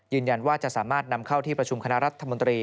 ยืนยันว่าจะสามารถนำเข้าที่ประชุมคณะรัฐมนตรี